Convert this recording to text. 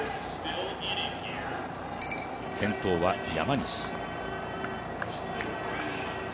先頭は山西。